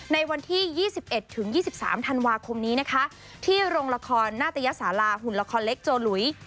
ในวันที่ยี่สิบเอ็ดถึงยี่สิบสามธันวาคมนี้นะคะที่โรงละครหน้าตะยะสาลาหุ่นละครเล็กโจหลุย